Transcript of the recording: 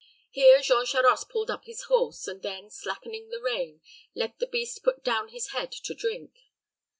Here Jean Charost pulled up his horse, and then, slackening the rein, let the beast put down his head to drink.